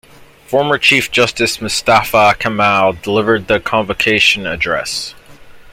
Former Chief Justice Mustafa Kamal delivered the convocation address.